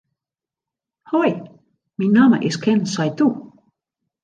Hoi, myn namme is Ken Saitou.